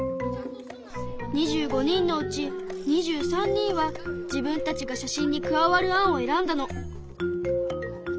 ２５人のうち２３人は自分たちが写真に加わる案を選んだの。